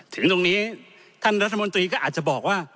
ถึงตรงนี้ท่านรัฐมนตรีก็อาจจะบอกว่า